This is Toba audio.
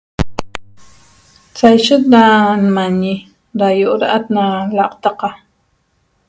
Seishet da nmañe da iorat na laqtaca